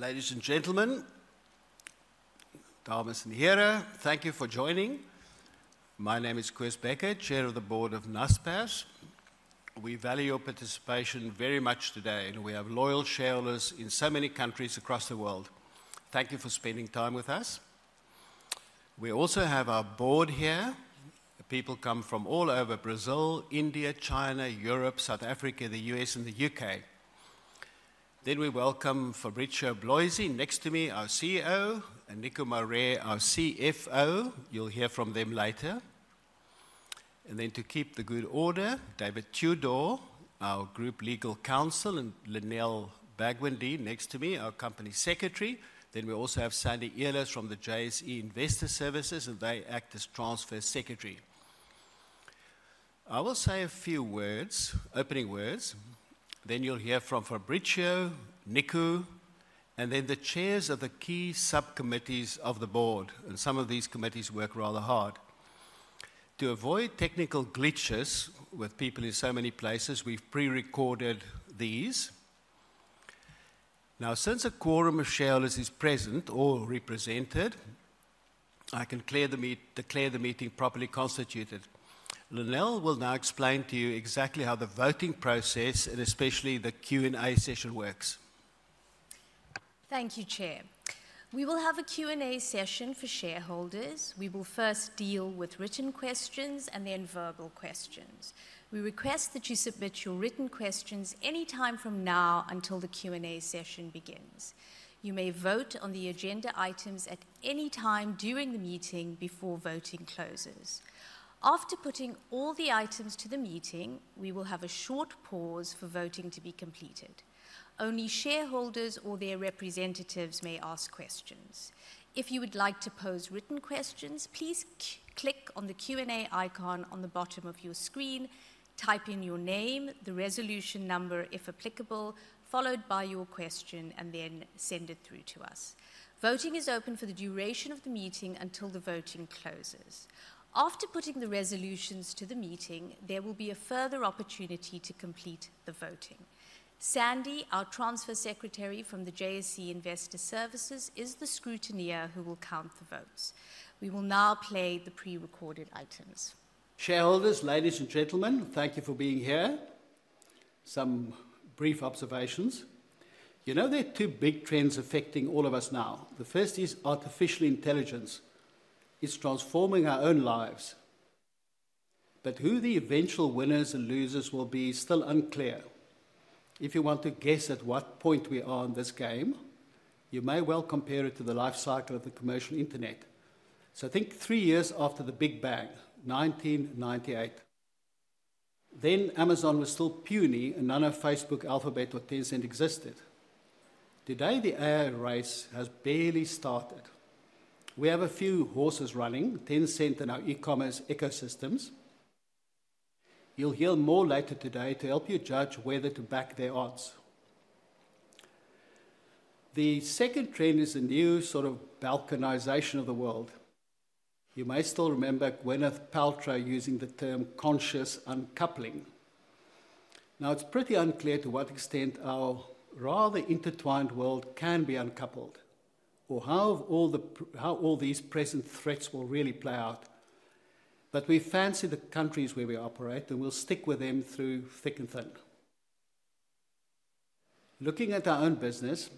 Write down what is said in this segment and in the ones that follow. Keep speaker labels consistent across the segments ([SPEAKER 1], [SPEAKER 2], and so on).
[SPEAKER 1] Ladies and gentlemen, dames en heren, thank you for joining. My name is Koos Bekker, Chair of the Board of Naspers. We value your participation very much today, and we have loyal shareholders in so many countries across the world. Thank you for spending time with us. We also have our Board here. People come from all over Brazil, India, China, Europe, South Africa, the U.S., and the U.K. We welcome Fabricio Bloisi, next to me, our CEO, and Nico Marais, our CFO. You'll hear from them later. To keep the good order, David Tudor, our Group Legal Counsel, and Lynelle Bagwandeen, next to me, our Company Secretary. We also have Sandy Ehlers from the JSE Investor Services, and they act as transfer secretaries. I will say a few opening words. You'll hear from Fabricio, Nico, and the Chairs of the key subcommittees of the Board. Some of these committees work rather hard. To avoid technical glitches with people in so many places, we've pre-recorded these. Now, since a quorum of shareholders is present or represented, I can declare the meeting properly constituted. Lynelle will now explain to you exactly how the voting process and especially the Q&A session works.
[SPEAKER 2] Thank you, Chair. We will have a Q&A session for shareholders. We will first deal with written questions and then verbal questions. We request that you submit your written questions any time from now until the Q&A session begins. You may vote on the agenda items at any time during the meeting before voting closes. After putting all the items to the meeting, we will have a short pause for voting to be completed. Only shareholders or their representatives may ask questions. If you would like to pose written questions, please click on the Q&A icon on the bottom of your screen, type in your name, the resolution number, if applicable, followed by your question, and then send it through to us. Voting is open for the duration of the meeting until the voting closes. After putting the resolutions to the meeting, there will be a further opportunity to complete the voting. Sandy, our Transfer Secretary from the JSE Investor Services, is the scrutineer who will count the votes. We will now play the pre-recorded items.
[SPEAKER 1] Shareholders, ladies and gentlemen, thank you for being here. Some brief observations. You know, there are two big trends affecting all of us now. The first is artificial intelligence. It's transforming our own lives. Who the eventual winners and losers will be is still unclear. If you want to guess at what point we are in this game, you may well compare it to the life cycle of the commercial internet. Think three years after the Big Bang, 1998. Then Amazon was still puny and none of Facebook, Alphabet, or Tencent existed. Today, the AI race has barely started. We have a few horses running, Tencent and our e-commerce ecosystems. You'll hear more later today to help you judge whether to back their odds. The second trend is a new sort of Balkanization of the world. You may still remember Gwyneth Paltrow using the term conscious uncoupling. It's pretty unclear to what extent our rather intertwined world can be uncoupled or how all these present threats will really play out. We fancy the countries where we operate, and we'll stick with them through thick and thin. Looking at our own business,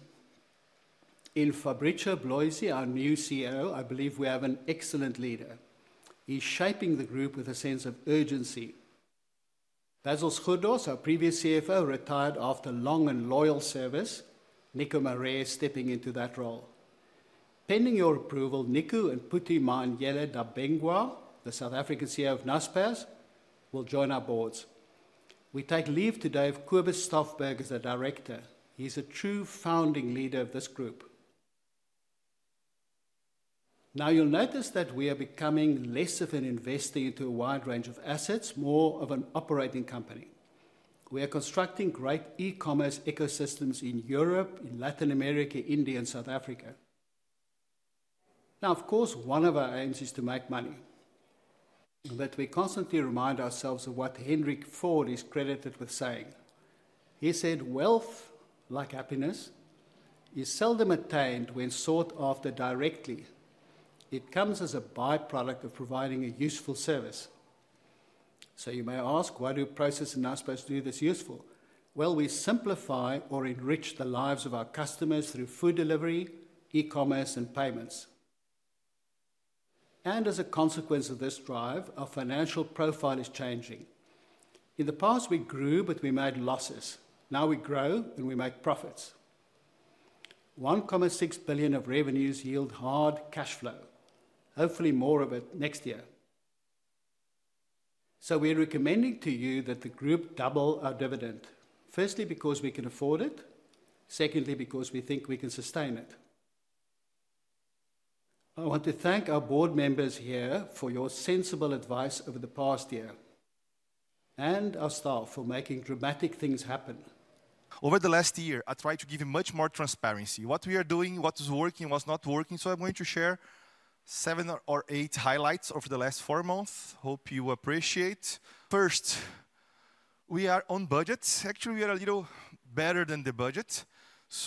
[SPEAKER 1] in Fabricio Bloisi, our new CEO, I believe we have an excellent leader. He's shaping the group with a sense of urgency. Basil Sgourdos, our previous CFO, retired after long and loyal service. Nico Marais is stepping into that role. Pending your approval, Nico and Phuthi Mahanyele-Dabengwa, the South African CEO of Naspers, will join our boards. We take leave today of Cobus Stofberg as our director. He's a true founding leader of this group. You'll notice that we are becoming less of an investor into a wide range of assets, more of an operating company. We are constructing great e-commerce ecosystems in Europe, in Latin America, India, and South Africa. One of our aims is to make money. We constantly remind ourselves of what Henry Ford is credited with saying. He said, "Wealth, like happiness, is seldom attained when sought after directly. It comes as a byproduct of providing a useful service." You may ask, why do Prosus and Naspers do this useful? We simplify or enrich the lives of our customers through food delivery, e-commerce, and payments. As a consequence of this drive, our financial profile is changing. In the past, we grew, but we made losses. Now we grow and we make profits. 1.6 billion of revenues yield hard cash flow. Hopefully, more of it next year. We're recommending to you that the group double our dividend. Firstly, because we can afford it. Secondly, because we think we can sustain it. I want to thank our board members here for your sensible advice over the past year and our staff for making dramatic things happen.
[SPEAKER 3] Over the last year, I tried to give you much more transparency, what we are doing, what is working, what's not working. I'm going to share seven or eight highlights over the last four months. Hope you appreciate. First, we are on budgets. Actually, we are a little better than the budget.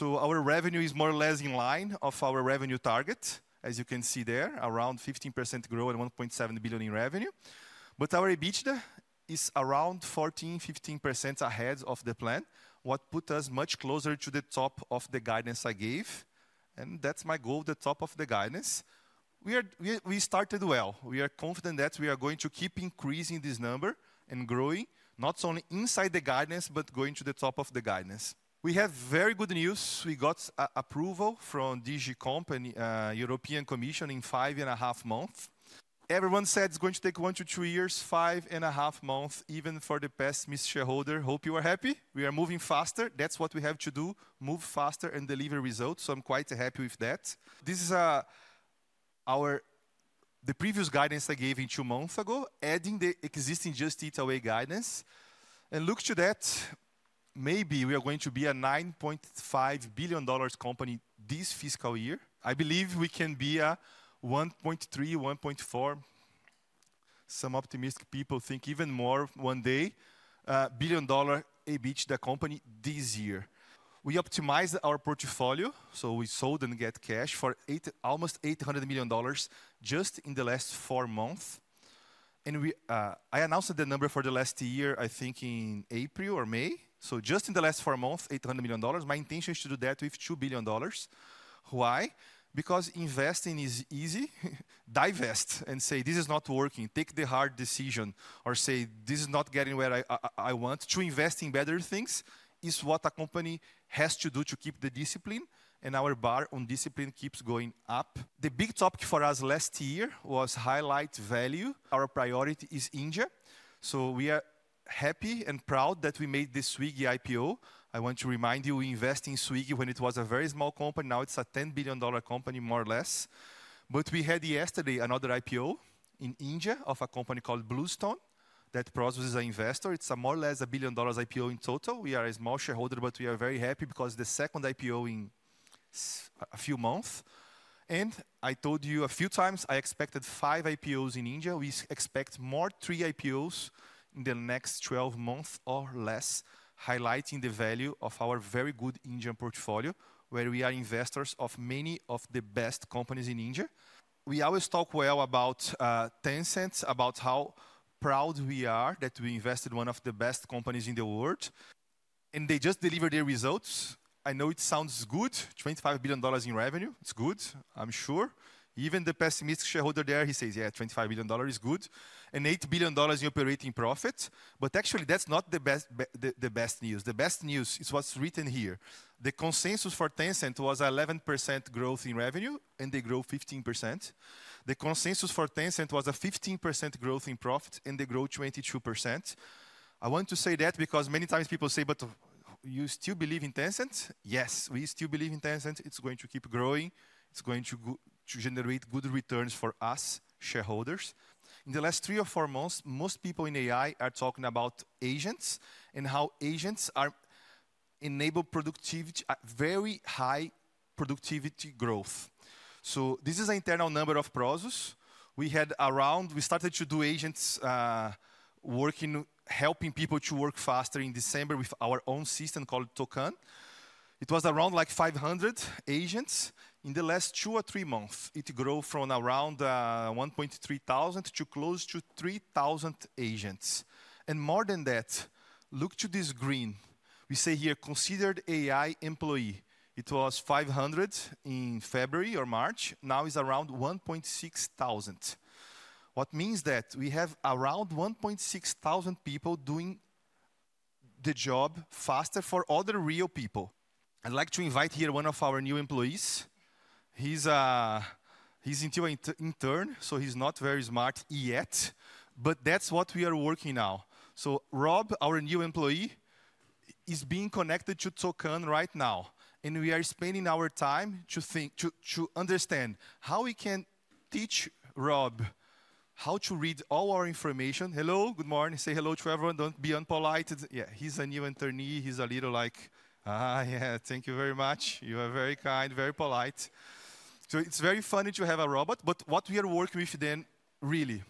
[SPEAKER 3] Our revenue is more or less in line with our revenue target. As you can see there, around 15% growth and 1.7 billion in revenue. Our EBITDA is around 14%-15% ahead of the plan, which puts us much closer to the top of the guidance I gave. That's my goal, the top of the guidance. We started well. We are confident that we are going to keep increasing this number and growing, not only inside the guidance, but going to the top of the guidance. We have very good news. We got approval from the DG Company, European Commission, in five and a half months. Everyone said it's going to take one to two years, five and a half months, even for the pessimist shareholder. Hope you are happy. We are moving faster. That's what we have to do, move faster and deliver results. I'm quite happy with that. This is our, the previous guidance I gave you two months ago, adding the existing Just Eat Away guidance. Looking to that, maybe we are going to be a ZAR 9.5 billion company this fiscal year. I believe we can be a 1.3, 1.4. Some optimistic people think even more one day, a billion dollar EBITDA company this year. We optimized our portfolio, so we sold and got cash for almost ZAR 800 million just in the last four months. I announced the number for the last year, I think in April or May. Just in the last four months, ZAR 800 million. My intention is to do that with ZAR 2 billion. Why? Because investing is easy. Divest and say this is not working, take the hard decision or say this is not getting where I want. To invest in better things is what a company has to do to keep the discipline. Our bar on discipline keeps going up. The big topic for us last year was highlight value. Our priority is India. We are happy and proud that we made the Swiggy IPO. I want to remind you, we invest in Swiggy when it was a very small company. Now it's a ZAR 10 billion company, more or less. We had yesterday another IPO in India of a company called Bluestone that processes our investors. It's a more or less a billion dollars IPO in total. We are a small shareholder, but we are very happy because it's the second IPO in a few months. I told you a few times, I expected five IPOs in India. We expect more three IPOs in the next 12 months or less, highlighting the value of our very good Indian portfolio, where we are investors of many of the best companies in India. We always talk well about Tencent, about how proud we are that we invested in one of the best companies in the world. They just delivered their results. I know it sounds good. ZAR 25 billion in revenue. It's good. I'm sure even the pessimistic shareholder there, he says, yeah, ZAR 25 billion is good. ZAR 8 billion in operating profit. Actually, that's not the best news. The best news is what's written here. The consensus for Tencent was 11% growth in revenue, and they grow 15%. The consensus for Tencent was a 15% growth in profit, and they grow 22%. I want to say that because many times people say, but you still believe in Tencent? Yes, we still believe in Tencent. It's going to keep growing. It's going to generate good returns for us, shareholders. In the last three or four months, most people in AI are talking about agents and how agents enable productivity, very high productivity growth. This is an internal number of Prosus. We had around, we started to do agents, working, helping people to work faster in December with our own system called Tokan. It was around like 500 agents. In the last two or three months, it grew from around 1,300 to close to 3,000 agents. More than that, look to this green. We say here, considered AI employee. It was 500 in February or March. Now it's around 1,600. What means that we have around 1,600 people doing the job faster for other real people. I'd like to invite here one of our new employees. He's an intern, so he's not very smart yet. That's what we are working on now. Rob, our new employee, is being connected to Tokan right now. We are spending our time to think, to understand how we can teach Rob how to read all our information. Hello, good morning. Say hello to everyone. Don't be unpolite and say, yeah, he's a new internee. He's a little like, yeah, thank you very much. You are very kind, very polite. It's very funny to have a robot, but what we are working with then, really.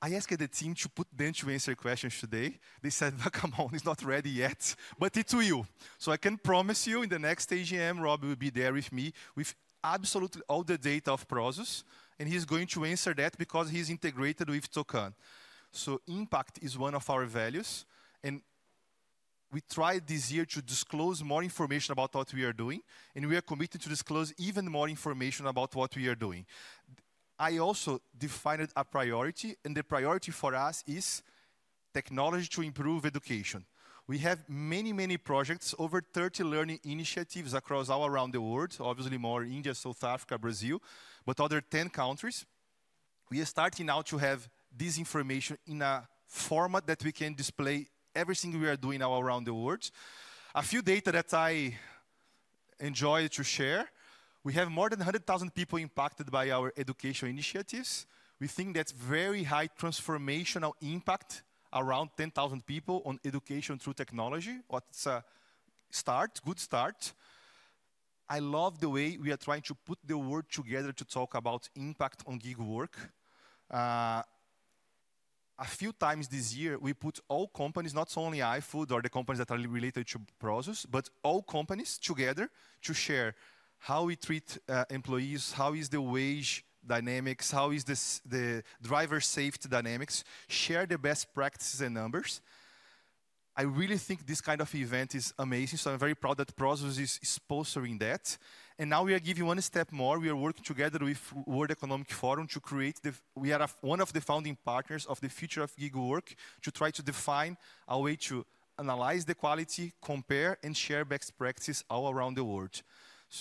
[SPEAKER 3] I asked the team to put BenchMaker questions today. They said, come on, it's not ready yet. It's real. I can promise you in the next AGM, Rob will be there with me with absolutely all the data of Prosus. He's going to answer that because he's integrated with Tokan. Impact is one of our values. We tried this year to disclose more information about what we are doing. We are committed to disclosing even more information about what we are doing. I also defined a priority, and the priority for us is technology to improve education. We have many, many projects, over 30 learning initiatives across all around the world, obviously more in India, South Africa, Brazil, but other 10 countries. We are starting now to have this information in a format that we can display everything we are doing all around the world. A few data that I enjoy to share. We have more than 100,000 people impacted by our education initiatives. We think that's very high transformational impact, around 10,000 people on education through technology. That's a start, good start. I love the way we are trying to put the word together to talk about impact on gig work. A few times this year, we put all companies, not only iFood or the companies that are related to Prosus, but all companies together to share how we treat employees, how is the wage dynamics, how is the driver safety dynamics, share the best practices and numbers. I really think this kind of event is amazing. I am very proud that Prosus is sponsoring that. Now we are giving one step more. We are working together with the World Economic Forum to create the, we are one of the founding partners of the future of gig work to try to define a way to analyze the quality, compare, and share best practices all around the world.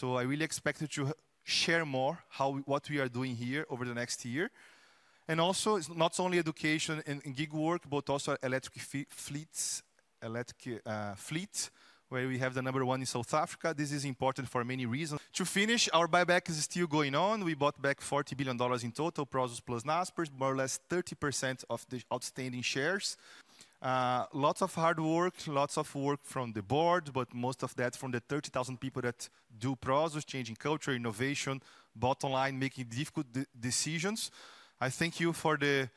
[SPEAKER 3] I really expect you to share more what we are doing here over the next year. Also, it's not only education and gig work, but also electric fleets, where we have the number one in South Africa. This is important for many reasons. To finish, our buyback is still going on. We bought back ZAR 40 billion in total, Prosus plus Naspers, more or less 30% of the outstanding shares. Lots of hard work, lots of work from the board, but most of that from the 30,000 people that do Prosus, changing culture, innovation, bottom line, making difficult decisions. I thank you for the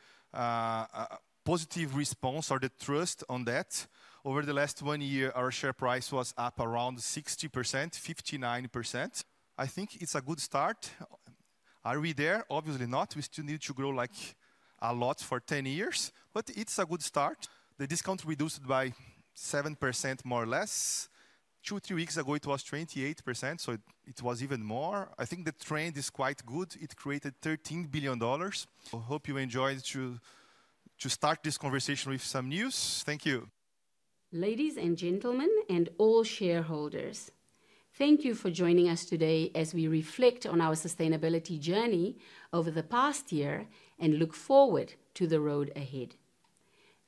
[SPEAKER 3] positive response or the trust on that. Over the last one year, our share price was up around 60%, 59%. I think it's a good start. Are we there? Obviously not. We still need to grow like a lot for 10 years, but it's a good start. The discount reduced by 7% more or less. Two or three weeks ago, it was 28%, so it was even more. I think the trend is quite good. It created ZAR 13 billion. Hope you enjoyed to start this conversation with some news. Thank you.
[SPEAKER 2] Ladies and gentlemen, and all shareholders, thank you for joining us today as we reflect on our sustainability journey over the past year and look forward to the road ahead.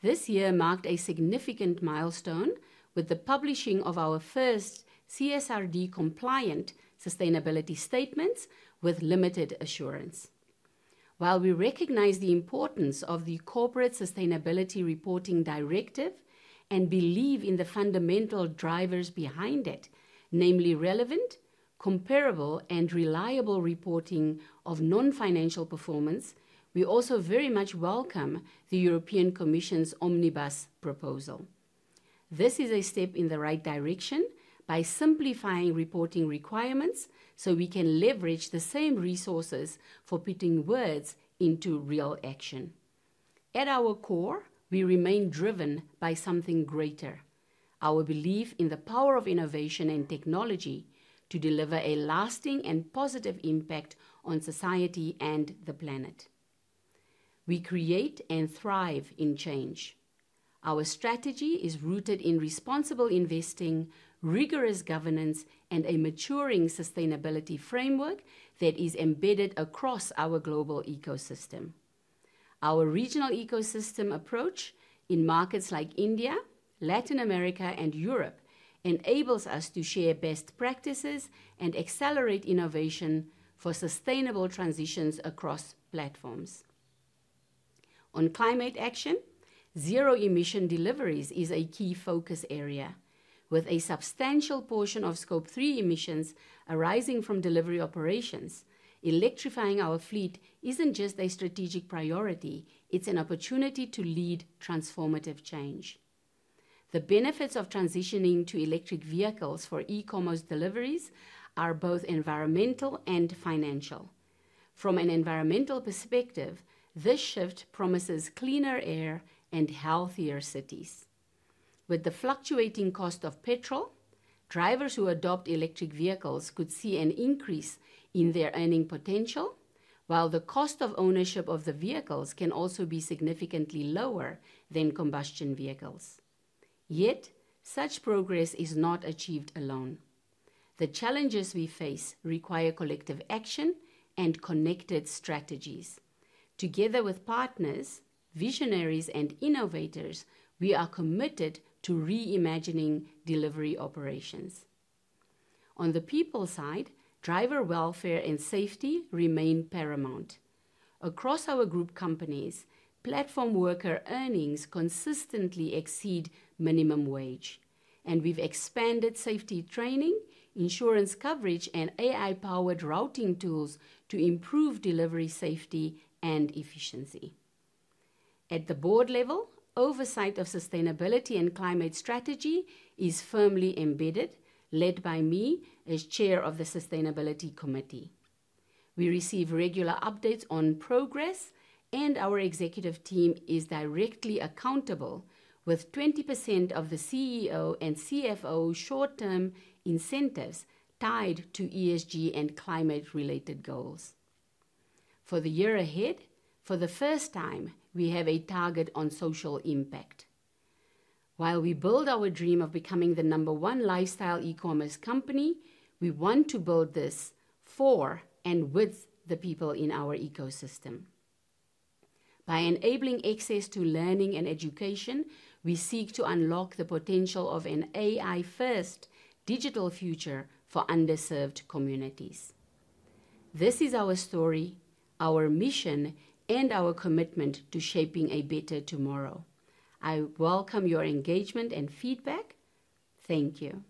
[SPEAKER 2] This year marked a significant milestone with the publishing of our first CSRD-compliant sustainability statements with limited assurance. While we recognize the importance of the Corporate Sustainability Reporting Directive and believe in the fundamental drivers behind it, namely relevant, comparable, and reliable reporting of non-financial performance, we also very much welcome the European Commission's Omnibus proposal. This is a step in the right direction by simplifying reporting requirements so we can leverage the same resources for putting words into real action. At our core, we remain driven by something greater, our belief in the power of innovation and technology to deliver a lasting and positive impact on society and the planet. We create and thrive in change. Our strategy is rooted in responsible investing, rigorous governance, and a maturing sustainability framework that is embedded across our global ecosystem. Our regional ecosystem approach in markets like India, Latin America, and Europe enables us to share best practices and accelerate innovation for sustainable transitions across platforms. On climate action, zero emission deliveries is a key focus area. With a substantial portion of Scope 3 emissions arising from delivery operations, electrifying our fleet isn't just a strategic priority, it's an opportunity to lead transformative change. The benefits of transitioning to electric vehicles for e-commerce deliveries are both environmental and financial. From an environmental perspective, this shift promises cleaner air and healthier cities. With the fluctuating cost of petrol, drivers who adopt electric vehicles could see an increase in their earning potential, while the cost of ownership of the vehicles can also be significantly lower than combustion vehicles. Yet, such progress is not achieved alone. The challenges we face require collective action and connected strategies. Together with partners, visionaries, and innovators, we are committed to reimagining delivery operations. On the people side, driver welfare and safety remain paramount. Across our group companies, platform worker earnings consistently exceed minimum wage, and we've expanded safety training, insurance coverage, and AI-powered routing tools to improve delivery safety and efficiency. At the board level, oversight of sustainability and climate strategy is firmly embedded, led by me as Chair of the Sustainability Committee. We receive regular updates on progress, and our executive team is directly accountable with 20% of the CEO and CFO short-term incentives tied to ESG and climate-related goals. For the year ahead, for the first time, we have a target on social impact. While we build our dream of becoming the number one lifestyle e-commerce company, we want to build this for and with the people in our ecosystem. By enabling access to learning and education, we seek to unlock the potential of an AI-first digital future for underserved communities. This is our story, our mission, and our commitment to shaping a better tomorrow. I welcome your engagement and feedback. Thank you.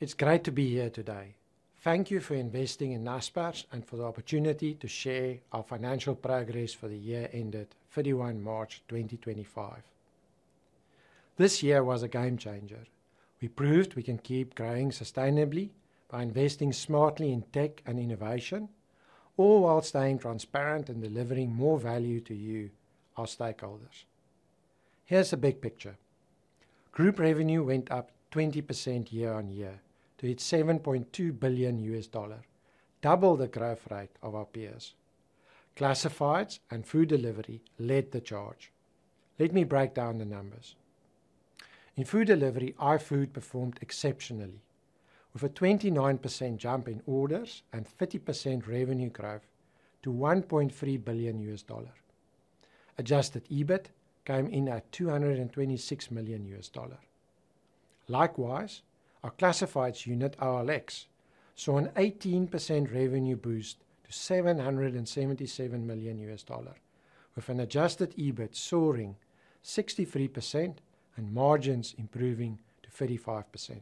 [SPEAKER 4] It's great to be here today. Thank you for investing in Naspers and for the opportunity to share our financial progress for the year ended 31 March 2025. This year was a game changer. We proved we can keep growing sustainably by investing smartly in tech and innovation, all while staying transparent and delivering more value to you, our stakeholders. Here's the big picture. Group revenue went up 20% year-on-year to ZAR 7.2 billion, double the growth rate of our peers. Classifieds and food delivery led the charge. Let me break down the numbers. In food delivery, iFood performed exceptionally, with a 29% jump in orders and 30% revenue growth to ZAR 1.3 billion. Adjusted EBIT came in at ZAR 226 million. Likewise, our classifieds unit OLX saw an 18% revenue boost to ZAR 777 million, with an adjusted EBIT soaring 63% and margins improving to 35%.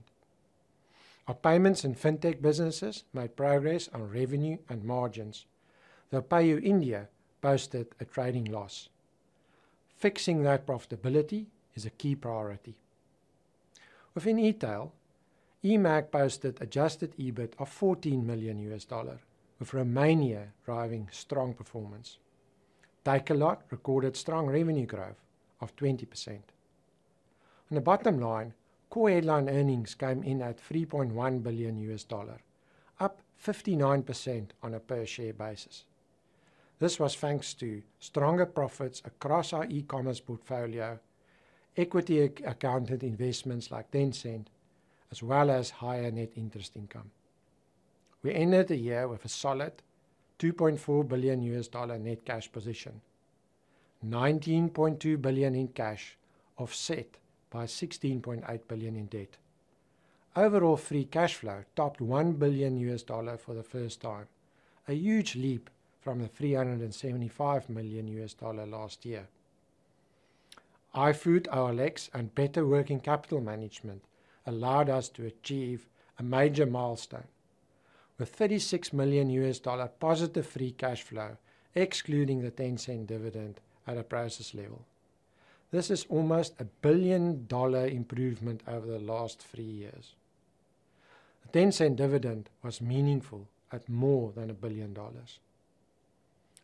[SPEAKER 4] Our payments and fintech businesses made progress on revenue and margins, though PayU India posted a trading loss. Fixing that profitability is a key priority. Within eTail, eMAG posted an adjusted EBIT of ZAR 14 million, with Romania driving strong performance. Takelot recorded a strong revenue growth of 20%. On the bottom line, core headline earnings came in at ZAR 3.1 billion, up 59% on a per-share basis. This was thanks to stronger profits across our e-commerce portfolio, equity accounted investments like Tencent, as well as higher net interest income. We ended the year with a solid ZAR 2.4 billion net cash position, 19.2 billion in cash offset by 16.8 billion in debt. Overall free cash flow topped ZAR 1 billion for the first time, a huge leap from the ZAR 375 million last year. iFood, OLX, and better working capital management allowed us to achieve a major milestone, with ZAR 36 million positive free cash flow, excluding the Tencent dividend at a Prosus level. This is almost a ZAR 1 billion improvement over the last three years. The Tencent dividend was meaningful at more than ZAR 1 billion.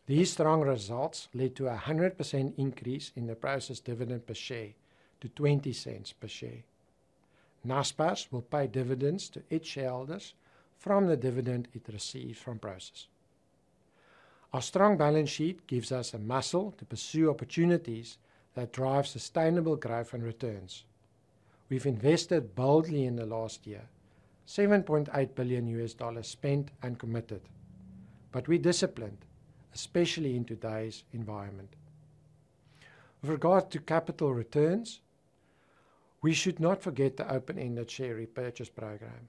[SPEAKER 4] These strong results led to a 100% increase in the Prosus dividend per share to 0.20 per share. Naspers will pay dividends to its shareholders from the dividend it receives from Prosus. Our strong balance sheet gives us muscle to pursue opportunities that drive sustainable growth and returns. We've invested boldly in the last year, ZAR 7.8 billion spent and committed. We're disciplined, especially in today's environment. With regard to capital returns, we should not forget the open-ended share repurchase program.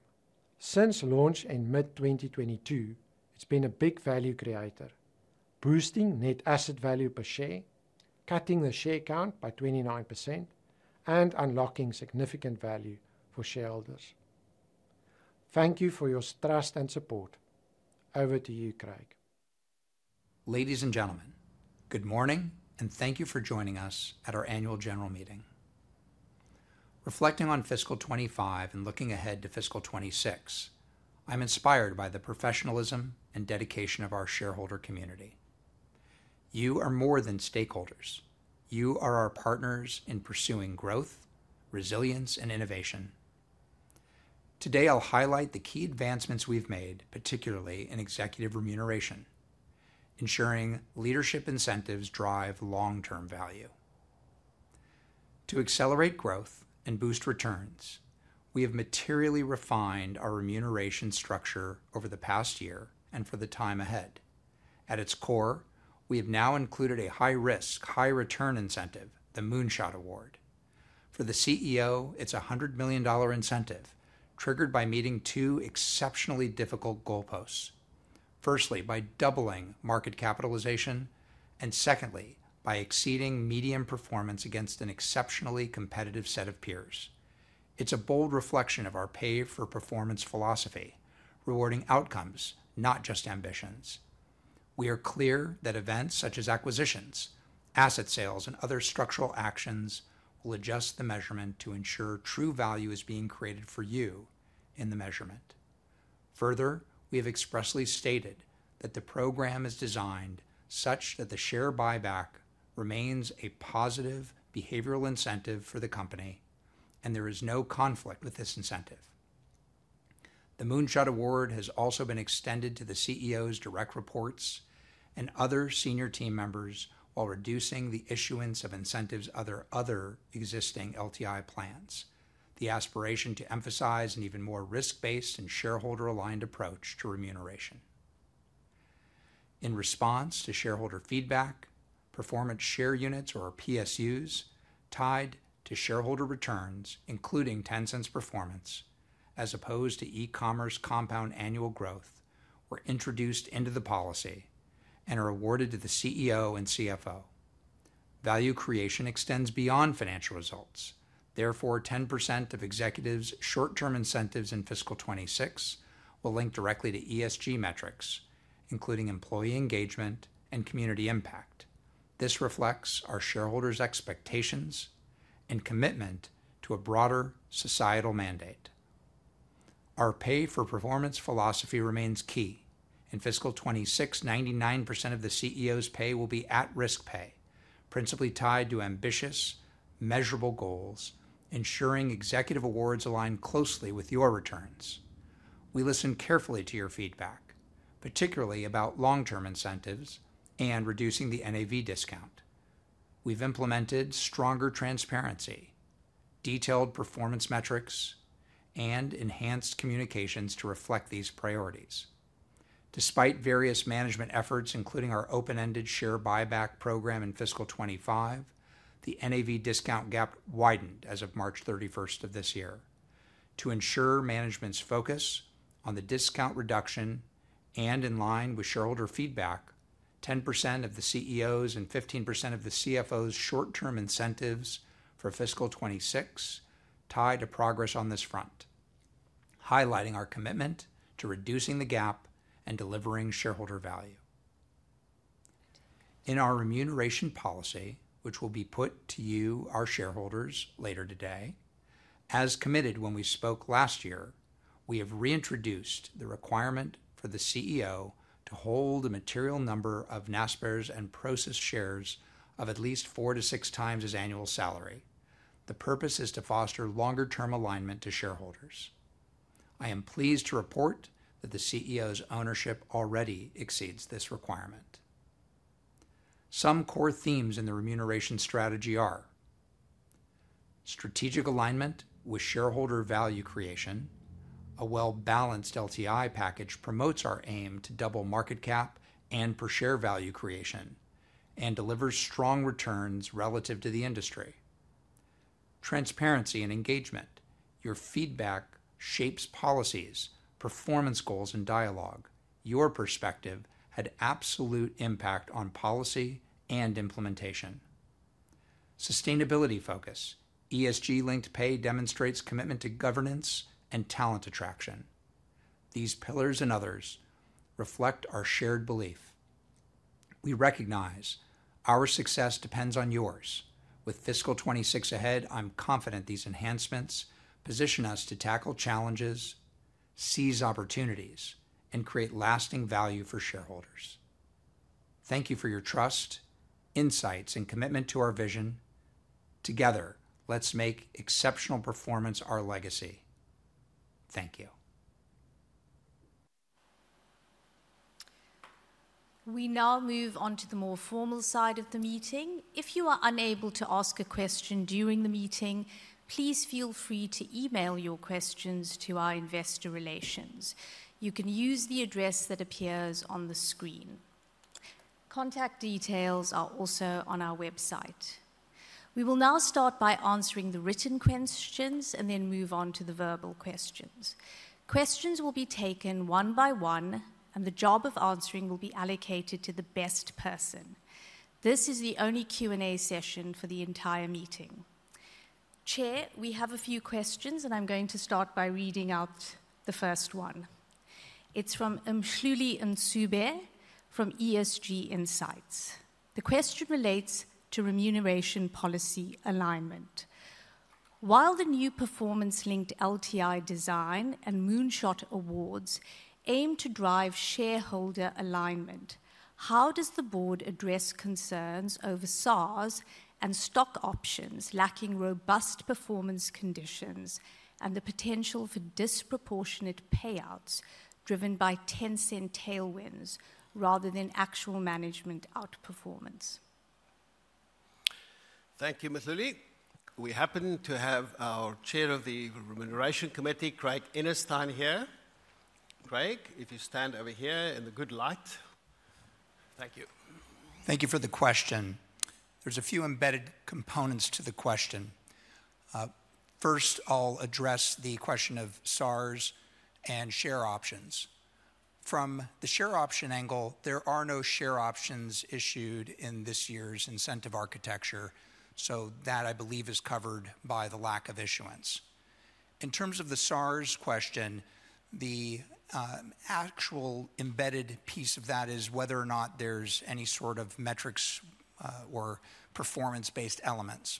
[SPEAKER 4] Since launch in mid-2022, it's been a big value creator, boosting net asset value per share, cutting the share count by 29%, and unlocking significant value for shareholders. Thank you for your trust and support. Over to you, Craig.
[SPEAKER 5] Ladies and gentlemen, good morning and thank you for joining us at our annual general meeting. Reflecting on fiscal 2025 and looking ahead to fiscal 2026, I'm inspired by the professionalism and dedication of our shareholder community. You are more than stakeholders. You are our partners in pursuing growth, resilience, and innovation. Today, I'll highlight the key advancements we've made, particularly in executive remuneration, ensuring leadership incentives drive long-term value. To accelerate growth and boost returns, we have materially refined our remuneration structure over the past year and for the time ahead. At its core, we have now included a high-risk, high-return incentive, the Moonshot Award. For the CEO, it's a ZAR 100 million incentive, triggered by meeting two exceptionally difficult goalposts. Firstly, by doubling market capitalization, and secondly, by exceeding median performance against an exceptionally competitive set of peers. It's a bold reflection of our pay-for-performance philosophy, rewarding outcomes, not just ambitions. We are clear that events such as acquisitions, asset sales, and other structural actions will adjust the measurement to ensure true value is being created for you in the measurement. Further, we have expressly stated that the program is designed such that the share buyback remains a positive behavioral incentive for the company, and there is no conflict with this incentive. The Moonshot Award has also been extended to the CEO's direct reports and other senior team members, while reducing the issuance of incentives under other existing LTI plans. The aspiration to emphasize an even more risk-based and shareholder-aligned approach to remuneration. In response to shareholder feedback, performance share units, or PSUs, tied to shareholder returns, including Tencent's performance, as opposed to e-commerce compound annual growth, were introduced into the policy and are awarded to the CEO and CFO. Value creation extends beyond financial results. Therefore, 10% of executives' short-term incentives in fiscal 2026 will link directly to ESG metrics, including employee engagement and community impact. This reflects our shareholders' expectations and commitment to a broader societal mandate. Our pay-for-performance philosophy remains key. In fiscal 2026, 99% of the CEO's pay will be at-risk pay, principally tied to ambitious, measurable goals, ensuring executive awards align closely with your returns. We listen carefully to your feedback, particularly about long-term incentives and reducing the NAV discount. We've implemented stronger transparency, detailed performance metrics, and enhanced communications to reflect these priorities. Despite various management efforts, including our open-ended share buyback program in fiscal 2025, the NAV discount gap widened as of March 31st, 2024. To ensure management's focus on the discount reduction and in line with shareholder feedback, 10% of the CEO's and 15% of the CFO's short-term incentives for fiscal 2026 are tied to progress on this front, highlighting our commitment to reducing the gap and delivering shareholder value. In our remuneration policy, which will be put to you, our shareholders, later today, as committed when we spoke last year, we have reintroduced the requirement for the CEO to hold a material number of Naspers and Prosus shares of at least 4x-6x his annual salary. The purpose is to foster longer-term alignment to shareholders. I am pleased to report that the CEO's ownership already exceeds this requirement. Some core themes in the remuneration strategy are strategic alignment with shareholder value creation. A well-balanced LTI package promotes our aim to double market capitalization and per-share value creation and delivers strong returns relative to the industry. Transparency and engagement. Your feedback shapes policies, performance goals, and dialogue. Your perspective had absolute impact on policy and implementation. Sustainability focus. ESG-linked pay demonstrates commitment to governance and talent attraction. These pillars and others reflect our shared belief. We recognize our success depends on yours. With fiscal 2026 ahead, I'm confident these enhancements position us to tackle challenges, seize opportunities, and create lasting value for shareholders. Thank you for your trust, insights, and commitment to our vision. Together, let's make exceptional performance our legacy. Thank you.
[SPEAKER 2] We now move on to the more formal side of the meeting. If you are unable to ask a question during the meeting, please feel free to email your questions to our investor relations. You can use the address that appears on the screen. Contact details are also on our website. We will now start by answering the written questions and then move on to the verbal questions. Questions will be taken one by one, and the job of answering will be allocated to the best person. This is the only Q&A session for the entire meeting. Chair, we have a few questions, and I'm going to start by reading out the first one. It's from Mthuli Ncube from ESG Insights. The question relates to remuneration policy alignment. While the new performance-linked LTI design and Moonshot Award aim to drive shareholder alignment, how does the board address concerns over SaaS and stock options lacking robust performance conditions and the potential for disproportionate payouts driven by Tencent tailwinds rather than actual management outperformance?
[SPEAKER 1] Thank you, Mthuli. We happen to have our Chair of the Remuneration Committee, Craig Enenstein, here. Craig, if you stand over here in the good light.
[SPEAKER 5] Thank you. Thank you for the question. There's a few embedded components to the question. First, I'll address the question of SaaS and share options. From the share option angle, there are no share options issued in this year's incentive architecture, so that I believe is covered by the lack of issuance. In terms of the SaaS question, the actual embedded piece of that is whether or not there's any sort of metrics or performance-based elements.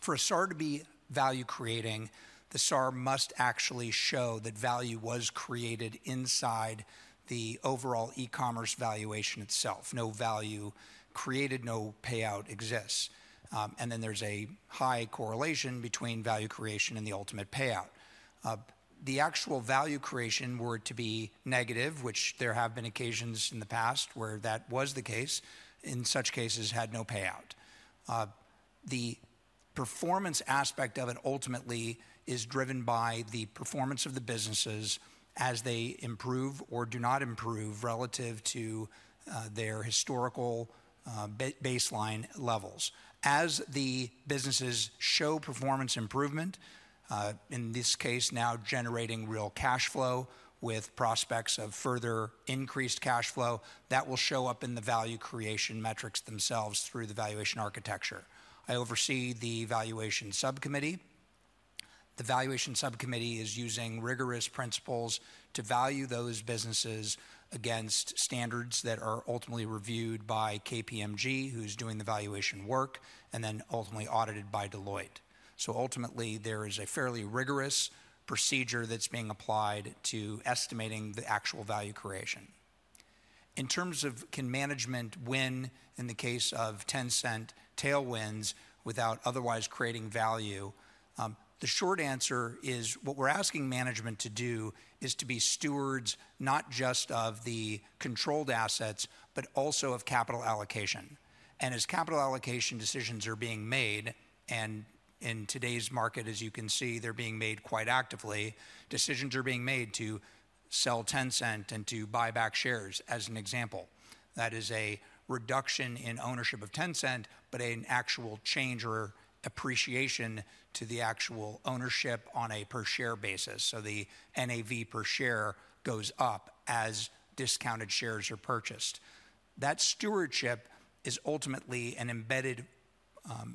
[SPEAKER 5] For a SaaS to be value creating, the SaaS must actually show that value was created inside the overall e-commerce valuation itself. No value created, no payout exists. There's a high correlation between value creation and the ultimate payout. The actual value creation, were it to be negative, which there have been occasions in the past where that was the case, in such cases had no payout. The performance aspect of it ultimately is driven by the performance of the businesses as they improve or do not improve relative to their historical baseline levels. As the businesses show performance improvement, in this case now generating real cash flow with prospects of further increased cash flow, that will show up in the value creation metrics themselves through the valuation architecture. I oversee the valuation subcommittee. The valuation subcommittee is using rigorous principles to value those businesses against standards that are ultimately reviewed by KPMG, who's doing the valuation work, and then ultimately audited by Deloitte. There is a fairly rigorous procedure that's being applied to estimating the actual value creation. In terms of can management win in the case of Tencent tailwinds without otherwise creating value, the short answer is what we're asking management to do is to be stewards not just of the controlled assets, but also of capital allocation. As capital allocation decisions are being made, and in today's market, as you can see, they're being made quite actively, decisions are being made to sell Tencent and to buy back shares, as an example. That is a reduction in ownership of Tencent, but an actual change or appreciation to the actual ownership on a per-share basis. The NAV per share goes up as discounted shares are purchased. That stewardship is ultimately an embedded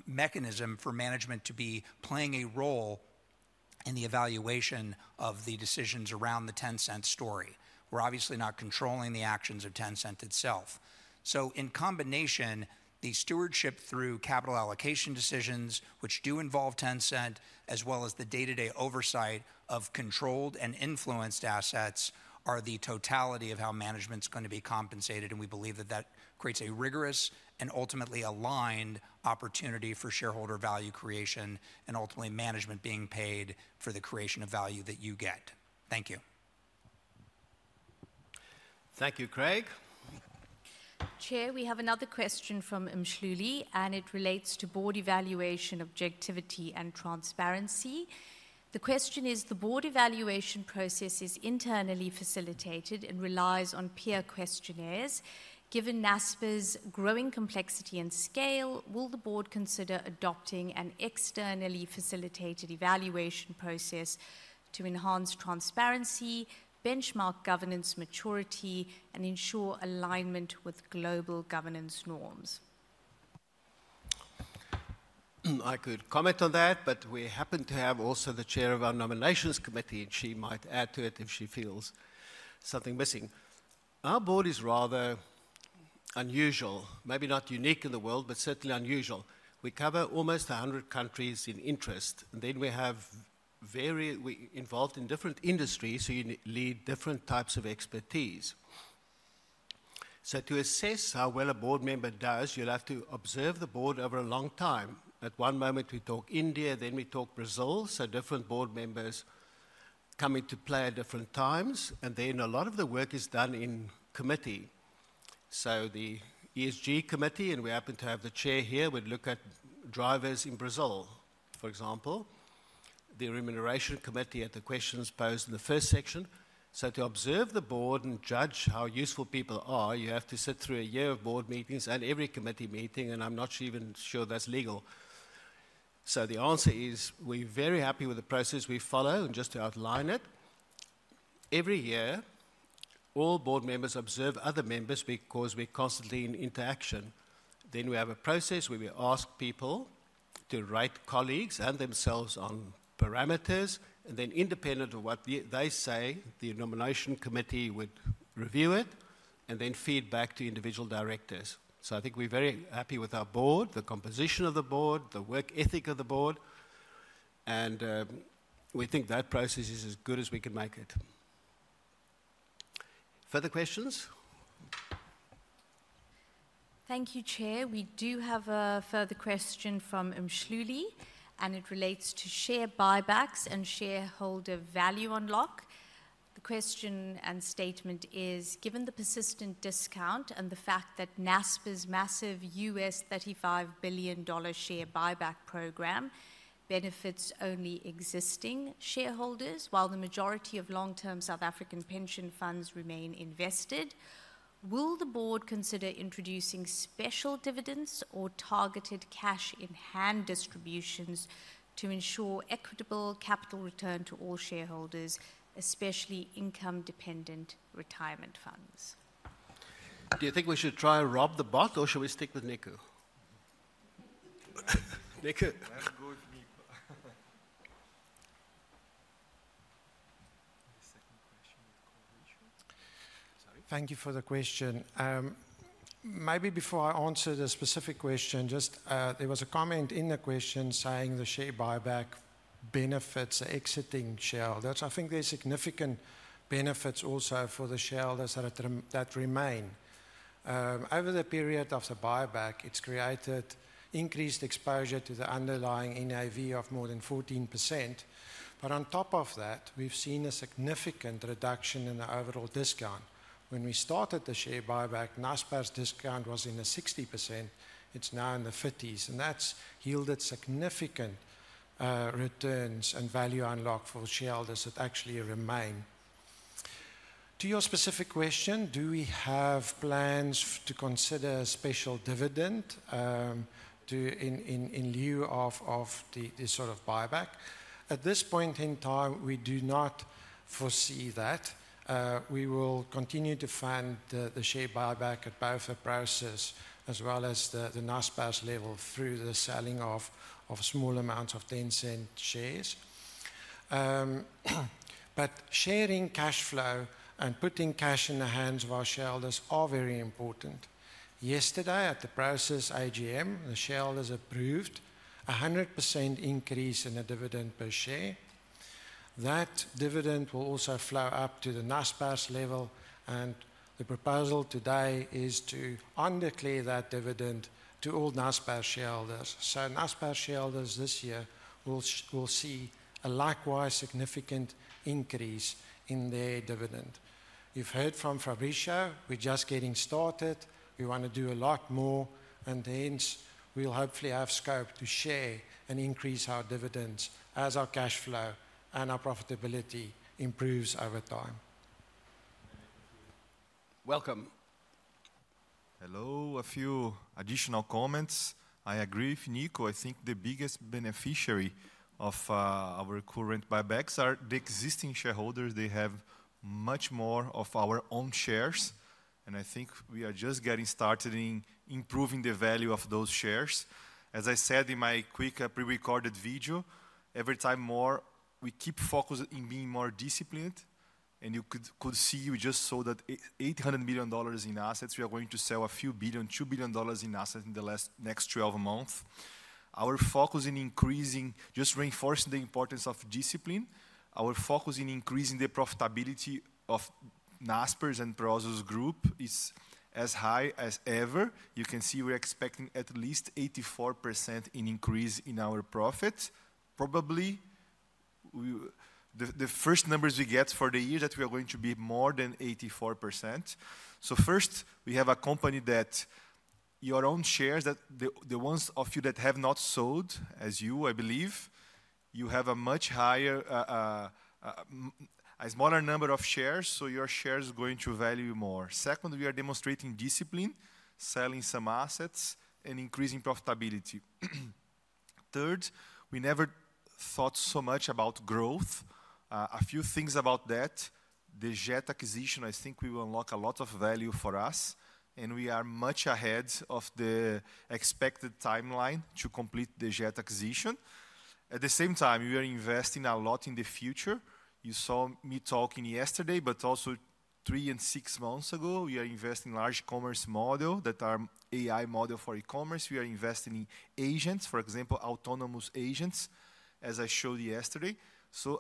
[SPEAKER 5] mechanism for management to be playing a role in the evaluation of the decisions around the Tencent story. We're obviously not controlling the actions of Tencent itself. In combination, the stewardship through capital allocation decisions, which do involve Tencent, as well as the day-to-day oversight of controlled and influenced assets, are the totality of how management's going to be compensated. We believe that that creates a rigorous and ultimately aligned opportunity for shareholder value creation and ultimately management being paid for the creation of value that you get. Thank you.
[SPEAKER 1] Thank you, Craig.
[SPEAKER 2] Chair, we have another question from Ms. [Luli], and it relates to board evaluation objectivity and transparency. The question is, the board evaluation process is internally facilitated and relies on peer questionnaires. Given Naspers' growing complexity and scale, will the board consider adopting an externally facilitated evaluation process to enhance transparency, benchmark governance maturity, and ensure alignment with global governance norms?
[SPEAKER 1] I could comment on that, but we happen to have also the Chair of our Nominations Committee, and she might add to it if she feels something is missing. Our board is rather unusual, maybe not unique in the world, but certainly unusual. We cover almost 100 countries in interest, and then we have various involvements in different industries, so you need different types of expertise. To assess how well a board member does, you'll have to observe the board over a long time. At one moment, we talk India, then we talk Brazil, so different board members come into play at different times, and a lot of the work is done in committee. The ESG Committee, and we happen to have the Chair here, would look at drivers in Brazil, for example, the Remuneration Committee at the questions posed in the first section. To observe the board and judge how useful people are, you have to sit through a year of board meetings and every committee meeting, and I'm not even sure that's legal. The answer is we're very happy with the process we follow, and just to outline it, every year, all board members observe other members because we're constantly in interaction. We have a process where we ask people to rate colleagues and themselves on parameters, and then independent of what they say, the Nominations Committee would review it and then feed back to individual directors. I think we're very happy with our board, the composition of the board, the work ethic of the board, and we think that process is as good as we can make it. Further questions?
[SPEAKER 2] Thank you, Chair. We do have a further question from Ms. [Luli], and it relates to share buybacks and shareholder value unlock. The question and statement is, given the persistent discount and the fact that Naspers' massive ZAR 35 billion share buyback program benefits only existing shareholders, while the majority of long-term South African pension funds remain invested, will the board consider introducing special dividends or targeted cash-in-hand distributions to ensure equitable capital return to all shareholders, especially income-dependent retirement funds?
[SPEAKER 1] Do you think we should try or should we stick with Nico? Nico?
[SPEAKER 4] That's both me. The second question with core ratio.
[SPEAKER 1] Sorry.
[SPEAKER 4] Thank you for the question. Maybe before I answer the specific question, just there was a comment in the question saying the share buyback benefits the exiting shareholders. I think there are significant benefits also for the shareholders that remain. Over the period of the buyback, it's created increased exposure to the underlying NAV of more than 14%. On top of that, we've seen a significant reduction in the overall discount. When we started the share buyback, Naspers' discount was in the 60%. It's now in the 50s, and that's yielded significant returns and value unlock for shareholders that actually remain. To your specific question, do we have plans to consider a special dividend in lieu of this sort of buyback? At this point in time, we do not foresee that. We will continue to fund the share buyback at both the Prosus as well as the Naspers level through the selling of small amounts of Tencent shares. Sharing cash flow and putting cash in the hands of our shareholders are very important. Yesterday at the Prosus IGM, the shareholders approved a 100% increase in a dividend per share. That dividend will also flow up to the Naspers level, and the proposal today is to underplay that dividend to all Naspers shareholders. Naspers shareholders this year will see a likewise significant increase in their dividend. You've heard from Fabricio. We're just getting started. We want to do a lot more, and hence we'll hopefully have scope to share and increase our dividends as our cash flow and our profitability improves over time.
[SPEAKER 1] Welcome.
[SPEAKER 3] Hello, a few additional comments. I agree with Nico. I think the biggest beneficiary of our current buybacks are the existing shareholders. They have much more of our own shares, and I think we are just getting started in improving the value of those shares. As I said in my quick pre-recorded video, every time more we keep focusing on being more disciplined, and you could see we just sold ZAR 800 million in assets. We are going to sell a few billion, ZAR 2 billion in assets in the next 12 months. Our focus in increasing, just reinforcing the importance of discipline, our focus in increasing the profitability of Naspers and Prosus Group is as high as ever. You can see we're expecting at least 84% in increase in our profits. Probably the first numbers we get for the year that we are going to be more than 84%. First, we have a company that your own shares, the ones of you that have not sold, as you, I believe, you have a much higher, a smaller number of shares, so your shares are going to value more. Second, we are demonstrating discipline, selling some assets, and increasing profitability. Third, we never thought so much about growth. A few things about that. The Jet acquisition, I think we will unlock a lot of value for us, and we are much ahead of the expected timeline to complete the Jet acquisition. At the same time, we are investing a lot in the future. You saw me talking yesterday, but also three and six months ago, we are investing in a large commerce model that is an AI model for e-commerce. We are investing in agents, for example, autonomous agents, as I showed yesterday.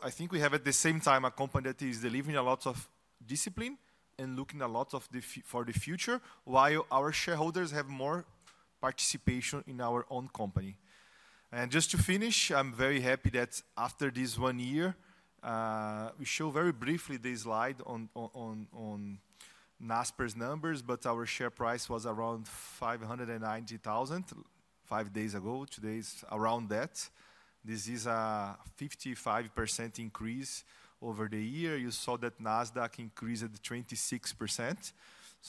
[SPEAKER 3] I think we have at the same time a company that is delivering a lot of discipline and looking a lot for the future, while our shareholders have more participation in our own company. Just to finish, I'm very happy that after this one year, we show very briefly this slide on Naspers' numbers, but our share price was around 590,000 five days ago. Today is around that. This is a 55% increase over the year. You saw that Nasdaq increased 26%.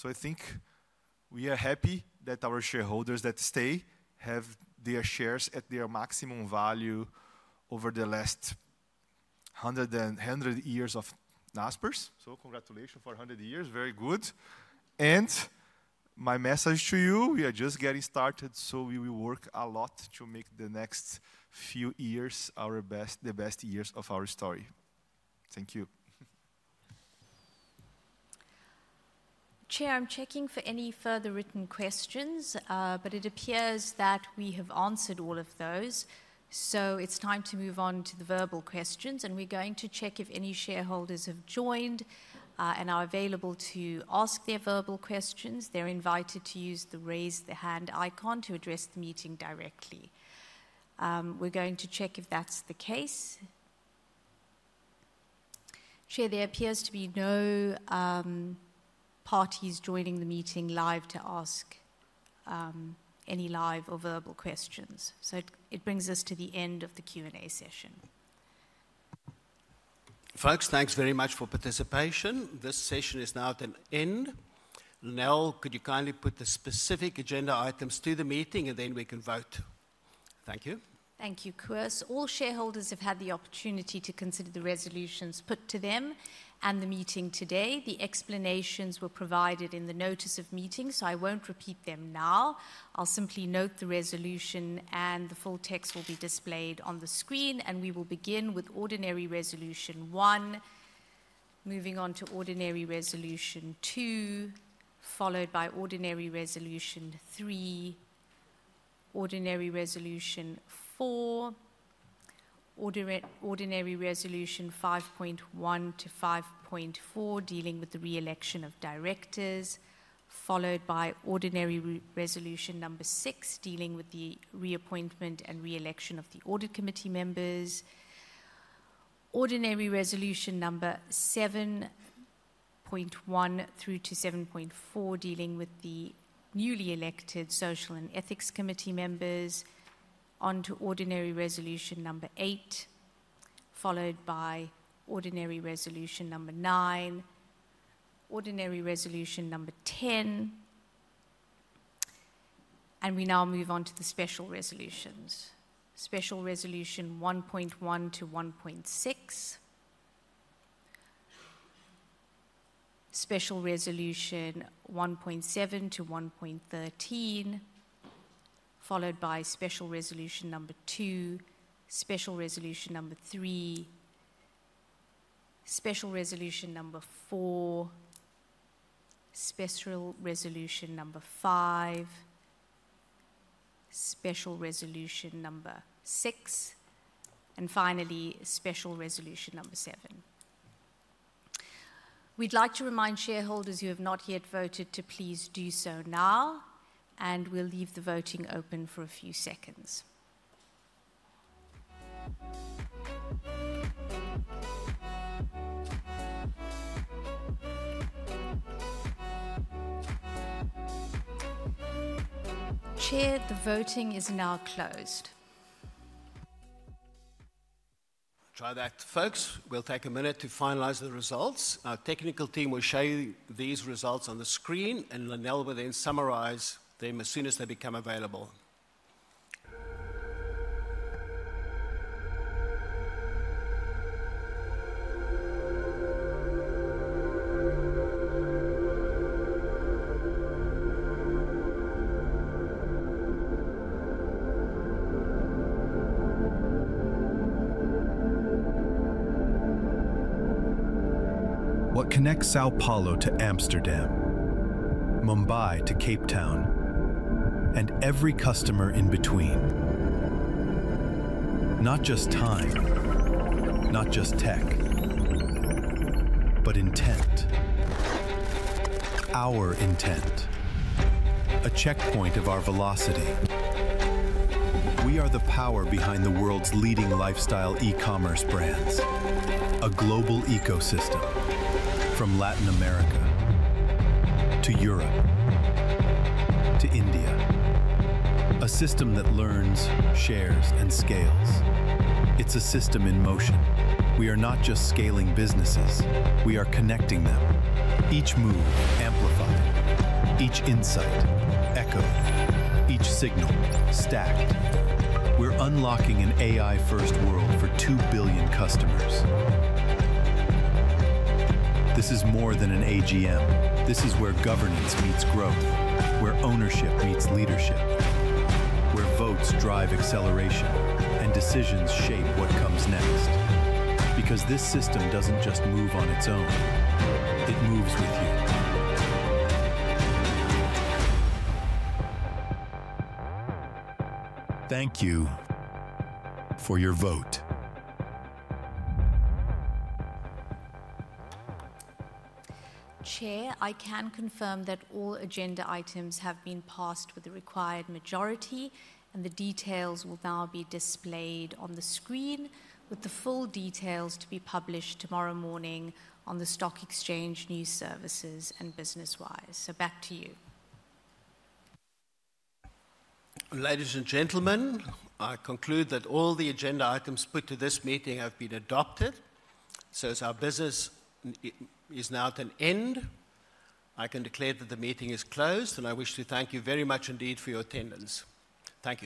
[SPEAKER 3] I think we are happy that our shareholders that stay have their shares at their maximum value over the last 100 years of Naspers. Congratulations for 100 years. Very good. My message to you, we are just getting started, so we will work a lot to make the next few years our best, the best years of our story. Thank you.
[SPEAKER 2] Chair, I'm checking for any further written questions, but it appears that we have answered all of those. It's time to move on to the verbal questions, and we're going to check if any shareholders have joined and are available to ask their verbal questions. They're invited to use the raise the hand icon to address the meeting directly. We're going to check if that's the case. Chair, there appears to be no parties joining the meeting live to ask any live or verbal questions. It brings us to the end of the Q&A session.
[SPEAKER 1] Folks, thanks very much for participation. This session is now at an end. Lynelle, could you kindly put the specific agenda items to the meeting, and then we can vote? Thank you.
[SPEAKER 2] Thank you, Koos. All shareholders have had the opportunity to consider the resolutions put to them and the meeting today. The explanations were provided in the notice of meeting, so I won't repeat them now. I'll simply note the resolution, and the full text will be displayed on the screen. We will begin with ordinary resolution one, moving on to ordinary resolution two, followed by ordinary resolution three, ordinary resolution four, ordinary resolution 5.1 to 5.4 dealing with the reelection of directors, followed by ordinary resolution number six dealing with the reappointment and reelection of the audit committee members, ordinary resolution number 7.1 through to 7.4 dealing with the newly elected social and ethics committee members, onto ordinary resolution number eight, followed by ordinary resolution number nine, ordinary resolution number ten, and we now move on to the special resolutions. Special resolution 1.1 to 1.6, special resolution 1.7 to 1.13, followed by special resolution number two, special resolution number three, special resolution number four, special resolution number five, special resolution number six, and finally, special resolution number seven. We'd like to remind shareholders who have not yet voted to please do so now, and we'll leave the voting open for a few seconds. Chair, the voting is now closed.
[SPEAKER 1] Try that. Folks, we'll take a minute to finalize the results. Our technical team will show you these results on the screen, and Lynelle will then summarize them as soon as they become available.
[SPEAKER 6] What connects Sao Paulo to Amsterdam, Mumbai to Cape Town, and every customer in between? Not just time, not just tech, but intent. Our intent, a checkpoint of our velocity. We are the power behind the world's leading lifestyle e-commerce brands, a global ecosystem, from Latin America to Europe to India. A system that learns, shares, and scales. It's a system in motion. We are not just scaling businesses. We are connecting them. Each move amplified, each insight echoed, each signal stacked. We're unlocking an AI-first world for 2 billion customers. This is more than an AGM. This is where governance meets growth, where ownership meets leadership, where votes drive acceleration and decisions shape what comes next. This system doesn't just move on its own. It moves with you. Thank you for your vote. Chair, I can confirm that all agenda items have been passed with the required majority, and the details will now be displayed on the screen, with the full details to be published tomorrow morning on the Stock Exchange News Services and BusinessWise. Back to you.
[SPEAKER 1] Ladies and gentlemen, I conclude that all the agenda items put to this meeting have been adopted. As our business is now to an end, I can declare that the meeting is closed, and I wish to thank you very much indeed for your attendance. Thank you.